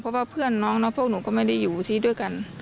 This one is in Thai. เพราะว่าเพื่อนน้องพวกหนูก็ไม่ได้อยู่ที่ด้วยกัน